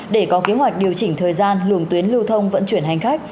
để có kế hoạch điều chỉnh thời gian luồng tuyến lưu thông vận chuyển hành khách